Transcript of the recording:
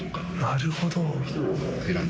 なるほど。